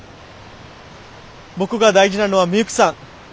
僕が大事なのはミユキさん。